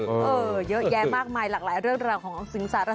เออเยอะแยะมากมายหลักเรื่องราวของสิงสารสรรค์